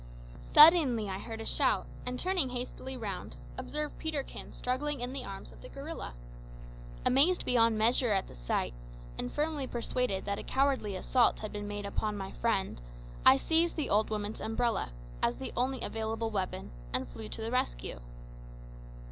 Suddenly I heard a shout, and turning hastily round, observed Peterkin struggling in the arms of the gorilla! Amazed beyond measure at the sight, and firmly persuaded that a cowardly assault had been made upon my friend, I seized the old woman's umbrella, as the only available weapon, and flew to the rescue.